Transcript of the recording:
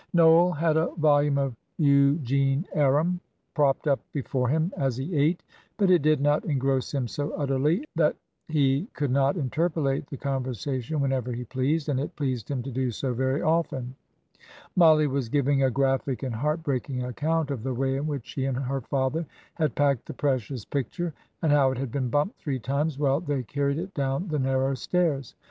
Noel had a volume of "Eugene Aram" propped up before him as he ate, but it did not engross him so utterly that he could not interpolate the conversation whenever he pleased, and it pleased him to do so very often. Mollie was giving a graphic and heart breaking account of the way in which she and her father had packed the precious picture, "and how it had been bumped three times while they carried it down the narrow stairs."